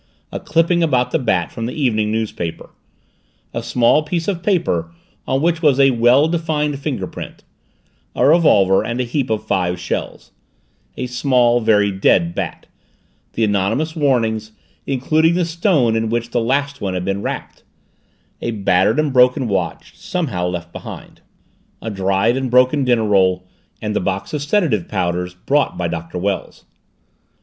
A clipping about the Bat from the evening newspaper; a piece of paper on which was a well defined fingerprint; a revolver and a heap of five shells; a small very dead bat; the anonymous warnings, including the stone in which the last one had been wrapped; a battered and broken watch, somehow left behind; a dried and broken dinner roll; and the box of sedative powders brought by Doctor Wells.